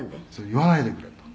「“言わないでくれ”と」